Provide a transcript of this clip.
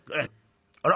あら？